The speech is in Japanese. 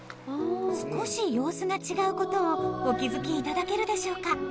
少し様子が違うことをお気づきいただけるでしょうか？